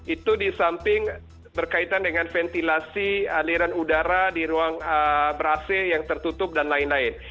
itu disamping berkaitan dengan ventilasi aliran udara di ruang ber ac yang tertutup dan lain lain